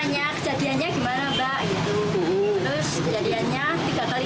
tadi tanya kejadiannya gimana mbak